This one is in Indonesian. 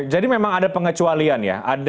jadi memang ada pengecualian ya